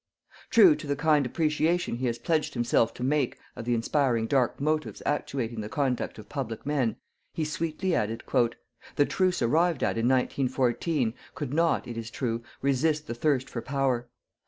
True to the kind appreciation he has pledged himself to make of the inspiring dark motives actuating the conduct of public men, he sweetly added: "_The truce arrived at in 1914 could not, it is true, resist the thirst for power.